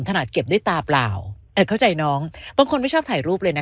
ถนัดเก็บด้วยตาเปล่าเข้าใจน้องคนไม่ชอบถ่ายรูปเลยนะ